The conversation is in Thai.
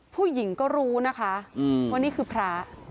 ผู้หญิงก็รู้นะคะว่านี่คือพระ